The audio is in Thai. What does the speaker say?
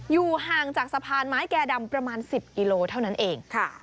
อยู่ห่างจากสะพานไม้แก่ดำประมาณ๑๐กิโลเท่านั้นเอง